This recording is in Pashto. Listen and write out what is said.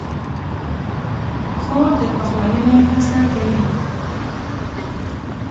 خور د پخلاینې هڅه کوي.